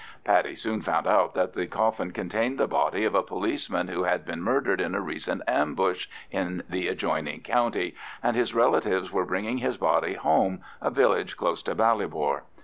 Paddy soon found out that the coffin contained the body of a policeman who had been murdered in a recent ambush in the adjoining county, and his relatives were bringing his body home, a village close to Ballybor.